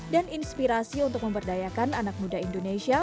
dan inspirasi untuk memperdayakan anak muda indonesia